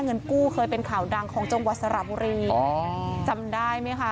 เงินกู้เคยเป็นข่าวดังของจังหวัดสระบุรีอ๋อจำได้ไหมคะ